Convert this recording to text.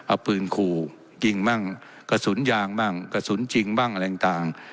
เอาปืนขู่ยิงบ้างกระสุนยางบ้างกระสุนจริงบ้างอะไรต่าง